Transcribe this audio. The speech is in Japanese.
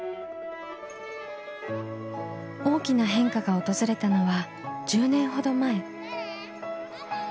大きな変化が訪れたのは１０年ほど前。